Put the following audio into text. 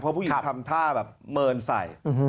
เพราะผู้หญิงทำท่าแบบเมินใส่